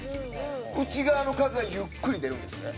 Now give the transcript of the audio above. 内側の風はゆっくり出るんですね。